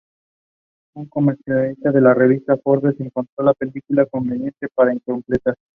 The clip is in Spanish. Un comentarista de la revista "Forbes" encontró la película convincente pero incompleta.